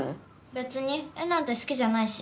別に絵なんて好きじゃないし。